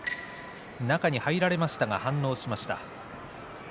中に入られましたが反応しました。